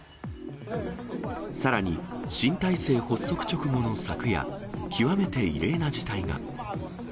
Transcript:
さらに、新体制発足直後の昨夜、極めて異例な事態が。